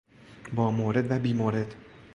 با مورد و بی مورد